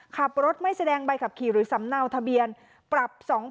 ขับรถไม่แสดงใบขับขี่หรือสำเนาทะเบียนปรับ๒๐๐๐